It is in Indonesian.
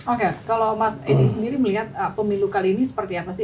oke kalau mas edi sendiri melihat pemilu kali ini seperti apa sih